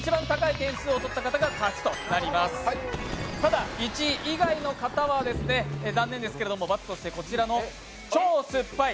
ただ、１位以外の方は残念ですけれども罰としてこちらの超酸っぱい！